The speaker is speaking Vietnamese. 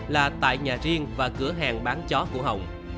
là tại nhà riêng và cửa hàng bán chó của hồng